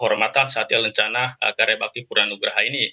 kehormatan saatnya rencana karya bakti pura nugraha ini